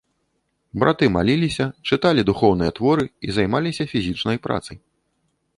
Браты маліліся, чыталі духоўныя творы і займаліся фізічнай працай.